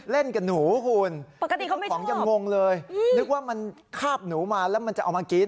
เล่นกับหนูคุณปกติเขาไม่ชอบอย่างงงเลยอืมนึกว่ามันข้าบหนูมาแล้วมันจะเอามากิน